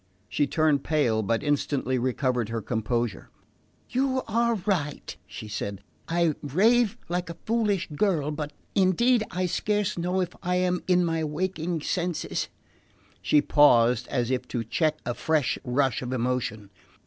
She turned pale, but instantly recovered her composure. "You are right," she said; "I rave like a foolish girl; but indeed I scarce know if I am in my waking senses" She paused, as if to check a fresh rush of emotion.